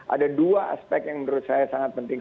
ada dua aspek yang menurut saya sangat penting